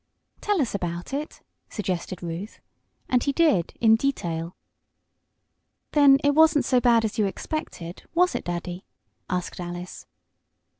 "Tell us about it," suggested Ruth, and he did in detail. "Then it wasn't so bad as you expected; was it, Daddy?" asked Alice.